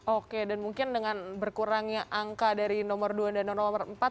oke dan mungkin dengan berkurangnya angka dari nomor dua dan nomor empat